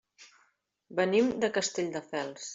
Venim de Castelldefels.